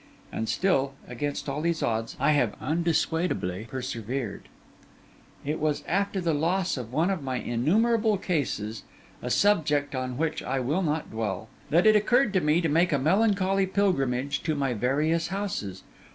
And still, against all these odds, I have undissuadably persevered. It was after the loss of one of my innumerable cases (a subject on which I will not dwell) that it occurred to me to make a melancholy pilgrimage to my various houses.